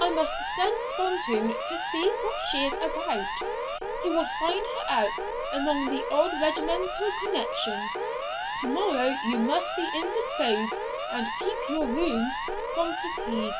I must send Spontoon to see what she is about; he will find her out among the old regimental connections. To morrow you must be indisposed, and keep your room from fatigue.